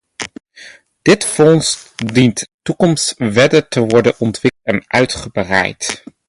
Dit fonds dient in de toekomst verder te worden ontwikkeld en uitgebreid.